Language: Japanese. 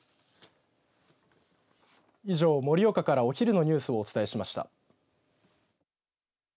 以上、盛岡からお昼のニュースをお伝えしました。